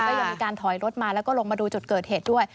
ยังมีการถอยรถมาแล้วก็ลงมาดูจุดเกิดเหตุด้วย